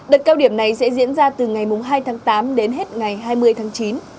đợt cao điểm này sẽ diễn ra từ ngày hai tháng tám đến hết ngày hai mươi tháng chín